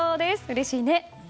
うれしいね。